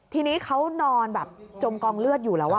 ทีนี้เขานอนแบบจมกองเลือดอยู่แล้ว